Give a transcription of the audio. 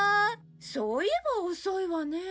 そういえば遅いわねえ。